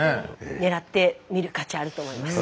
狙ってみる価値あると思います。